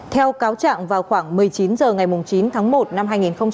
theo cáo trạng vào khoảng một mươi chín h ngày chín tháng một năm hai nghìn hai mươi